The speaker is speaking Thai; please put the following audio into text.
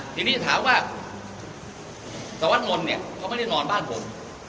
ทีนี้ถามว่าสวัสดิมนต์เนี่ยเขาไม่ได้นอนบ้านผม